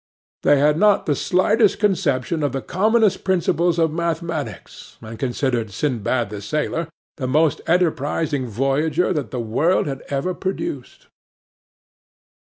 They had not the slightest conception of the commonest principles of mathematics, and considered Sindbad the Sailor the most enterprising voyager that the world had ever produced.